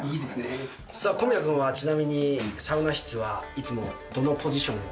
小宮君はちなみに、サウナ室はいつもどのポジションを？